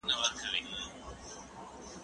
زه امادګي نه نيسم!؟